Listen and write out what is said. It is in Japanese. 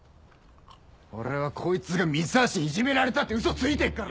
俺はこいつが三橋にいじめられたってウソついてっから。